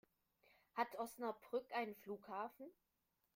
Hat Osnabrück einen Flughafen?